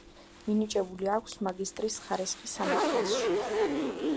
მინიჭებული აქვს მაგისტრის ხარისხი სამართალში.